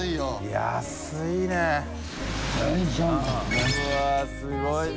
うわぁすごいね。